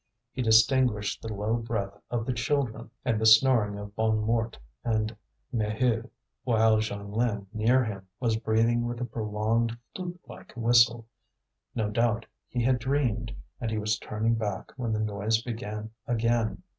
He distinguished the low breath of the children, and the snoring of Bonnemort and Maheude; while Jeanlin near him was breathing with a prolonged flute like whistle. No doubt he had dreamed, and he was turning back when the noise began again.